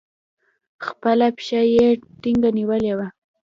خپله پښه يې ټينگه نيولې وه.